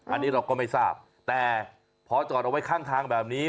อันนี้เราก็ไม่ทราบแต่พอจอดเอาไว้ข้างทางแบบนี้